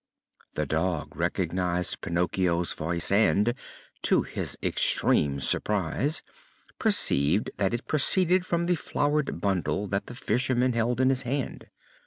The dog recognized Pinocchio's voice and, to his extreme surprise, perceived that it proceeded from the floured bundle that the fisherman held in his hand.